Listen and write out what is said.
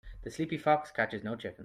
The sleepy fox catches no chickens.